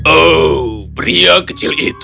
oh pria kecil itu